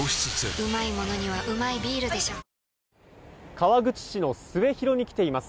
川口市の末広に来ています。